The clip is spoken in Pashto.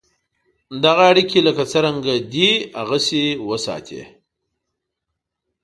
دغه اړیکي لکه څرنګه دي هغسې وساتې.